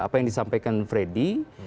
apa yang disampaikan freddy